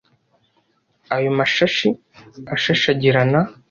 Ayo mashashi ashashagirana